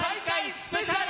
スペシャル。